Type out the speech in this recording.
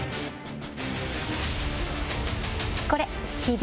これ。